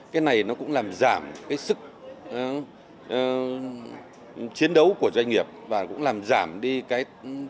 cái này nó cũng làm giảm cái sức chiến đấu của doanh nghiệp và cũng làm giảm đi cái